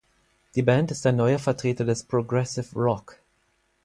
Die Band ist ein neuer Vertreter des Progressive Rock.